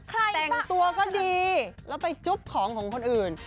แต่งตัวก็ดีแล้วไปจุ๊บของของคนอื่น